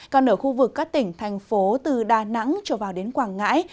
còn ở khu vực các tỉnh thành phố từ đà nẵng trở vào đến quảng ngãi